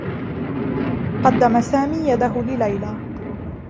قدّم سامي يده لليلى.